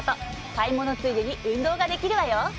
買い物ついでに運動ができるわよ。